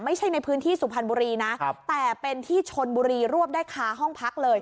ไม่ใช่ในพื้นที่สุพรรณบุรีนะแต่เป็นที่ชนบุรีรวบได้คาห้องพักเลย